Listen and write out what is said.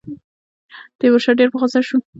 تیمورشاه ډېر په غوسه شو.